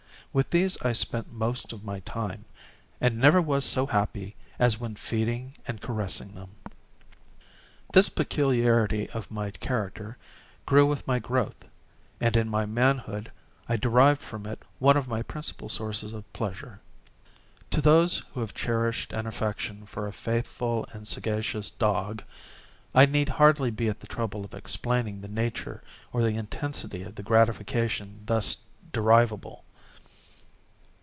With these I spent most of my time, and never was so happy as when feeding and caressing them. This peculiarity of character grew with my growth, and in my manhood, I derived from it one of my principal sources of pleasure. To those who have cherished an affection for a faithful and sagacious dog, I need hardly be at the trouble of explaining the nature or the intensity of the gratification thus derivable.